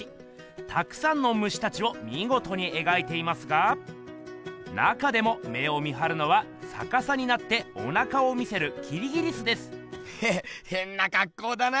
たくさんのムシたちをみごとに描いていますが中でも目を見はるのはさかさになっておなかを見せるきりぎりすです。へへっへんなかっこうだな。